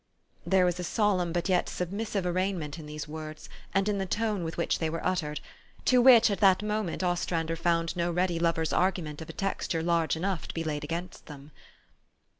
There was a solemn but yet submissive arraign ment in these words, and in the tone with which they were uttered, to which, at that moment, Os trander found no ready lover's argument of a texture large enough to be laid against them.